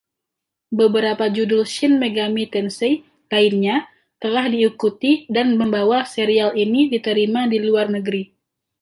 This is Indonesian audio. Beberapa judul "Shin Megami Tensei" lainnya telah diikuti dan membawa serial ini diterima di luar negeri.